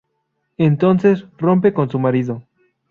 Entonces rompe con su marido.